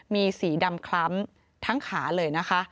มีสีดำคล้ำทั้งขาเลยนะคะ